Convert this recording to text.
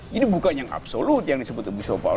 jadi bukan yang absolut yang disebut abuse of power